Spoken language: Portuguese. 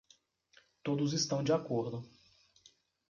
Todos estão de acordo.